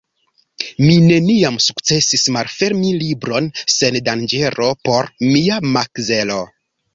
Mi neniam sukcesis malfermi libron sen danĝero por mia makzelo.